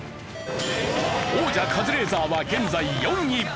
王者カズレーザーは現在４位。